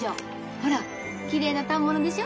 ほらきれいな反物でしょ？